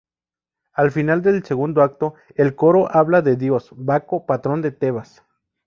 Al final del segundo acto, el coro habla del dios Baco, patrón de Tebas.